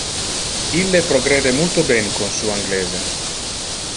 Ille progrede multo ben con su anglese.